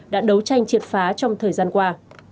đã đấu tranh triệt phá trong thời gian qua